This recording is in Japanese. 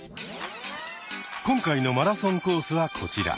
今回のマラソンコースはこちら。